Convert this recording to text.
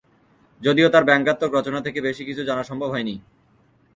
যদিও তার ব্যঙ্গাত্মক রচনা থেকে বেশি কিছু জানা সম্ভব হয়নি।